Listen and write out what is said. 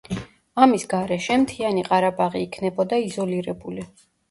ამის გარეშე მთიანი ყარაბაღი იქნებოდა იზოლირებული.